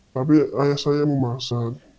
tapi ayah saya memaksa